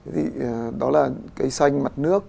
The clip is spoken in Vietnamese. thì đó là cái xanh mặt nước